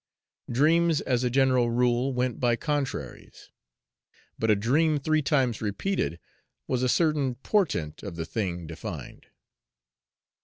Dreams, as a general rule, went by contraries; but a dream three times repeated was a certain portent of the thing defined.